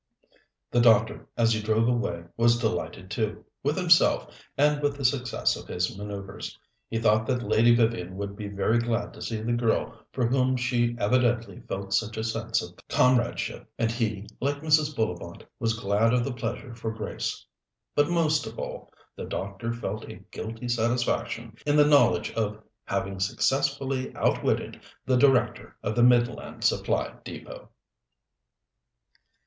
The doctor, as he drove away, was delighted too, with himself and with the success of his manoeuvres. He thought that Lady Vivian would be very glad to see the girl for whom she evidently felt such a sense of comradeship, and he, like Mrs. Bullivant, was glad of the pleasure for Grace; but, most of all, the doctor felt a guilty satisfaction in the knowledge of having successfully outwitted the Director of the Midland Supply Depôt.